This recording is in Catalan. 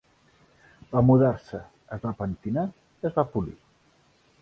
Va mudar-se, es va pentinar, es va polir